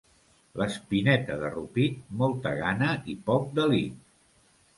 L'Espineta de Rupit, molta gana i poc delit.